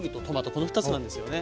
この２つなんですよね。